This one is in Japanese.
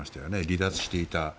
離脱していた。